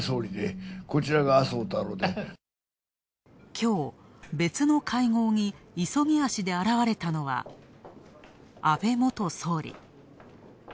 きょう、別の会合に急ぎ足で現れたのは、安倍元首相。